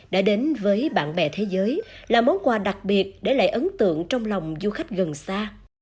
đã đến với bạn bè thế giới là món quà đặc biệt để lại ấn tượng trong lòng du khách gần xa